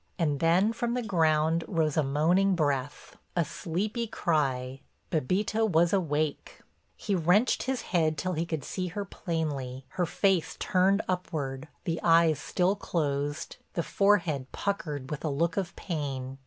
And then from the ground rose a moaning breath, a sleepy cry—Bébita was awake. He wrenched his head till he could see her plainly, her face turned upward, the eyes still closed, the forehead puckered with a look of pain.